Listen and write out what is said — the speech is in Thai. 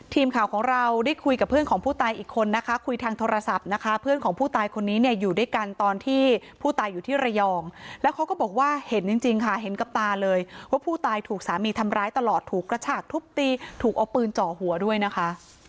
ทีมข่าวของเราได้คุยกับเพื่อนของผู้ตายอีกคนนะคะคุยทางโทรศัพท์นะคะเพื่อนของผู้ตายคนนี้เนี่ยอยู่ด้วยกันตอนที่ผู้ตายอยู่ที่ระยองแล้วเขาก็บอกว่าเห็นจริงค่ะเห็นกับตาเลยว่าผู้ตายถูกสามีทำร้ายตลอดถูกกระฉากทุบตีถูกเอาปืนเจาะหัวด้วยนะคะ